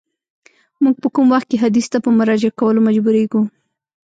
موږ په کوم وخت کي حدیث ته په مراجعه کولو مجبوریږو؟